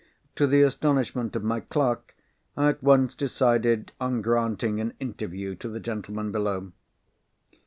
To the astonishment of my clerk, I at once decided on granting an interview to the gentleman below.